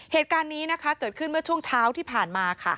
เหตุการณ์นี้นะคะเกิดขึ้นเมื่อช่วงเช้าที่ผ่านมาค่ะ